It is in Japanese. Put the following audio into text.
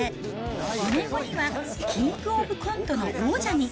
４年後には、キングオブコントの王者に。